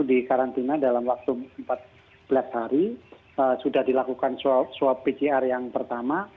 di karantina dalam waktu empat belas hari sudah dilakukan swab pcr yang pertama